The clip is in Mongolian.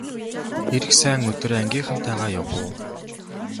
Ирэх сайн өдөр ангийнхантайгаа явах уу!